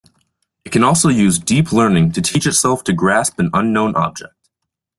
It can also use deep learning to teach itself to grasp an unknown object.